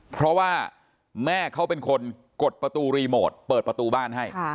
เพราะว่าแม่เขาเป็นคนกดประตูรีโมทเปิดประตูบ้านให้